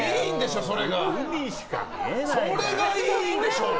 それがいいんでしょ！